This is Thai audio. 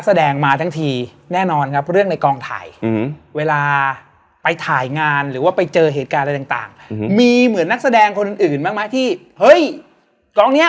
ส่วนที่รู้ทั้งหมดเนี่ย